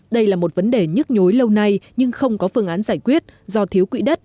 đây là một vấn đề nhức nhối lâu nay nhưng không có phương án giải quyết do thiếu quỹ đất